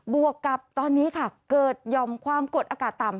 วกกับตอนนี้ค่ะเกิดหย่อมความกดอากาศต่ำ